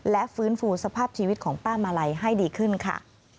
และฟื้นฟูสภาพชีวิตของป้ามาลัยให้ดีขึ้นค่ะ